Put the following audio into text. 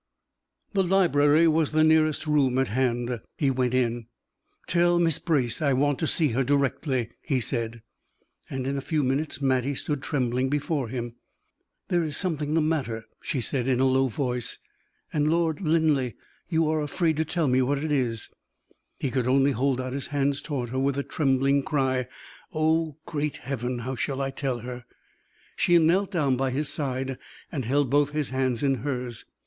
The library was the nearest room at hand. He went in. "Tell Miss Brace I want to see her directly," he said. And in a few minutes Mattie stood trembling before him. "There is something the matter," she said, in a low voice, "and, Lord Linleigh, you are afraid to tell me what it is." He could only hold out his hands toward her with a trembling cry: "Oh, great Heaven! how shall I tell her?" She knelt down by his side, and held both his hands in hers.